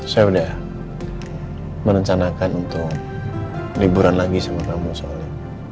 saya udah merencanakan untuk liburan lagi sama kamu solly